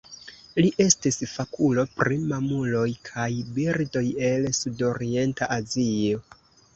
Li estis fakulo pri mamuloj kaj birdoj el Sudorienta Azio.